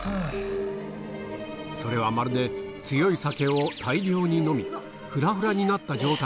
それはまるで強い酒を大量に飲みフラフラになった大丈夫？